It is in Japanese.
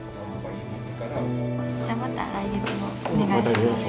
じゃあまた来月もお願いします。